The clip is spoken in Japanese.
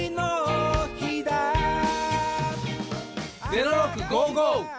「０６５５」！